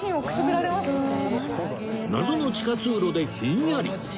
謎の地下通路でひんやり